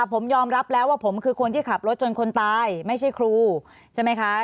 ผมยอมรับแล้วว่าผมคือคนที่ขับรถจนคนตายไม่ใช่ครูใช่ไหมคะ